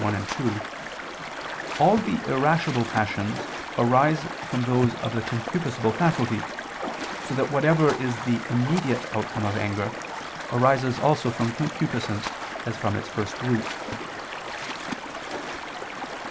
1, 2), all the irascible passions arise from those of the concupiscible faculty, so that whatever is the immediate outcome of anger, arises also from concupiscence as from its first root.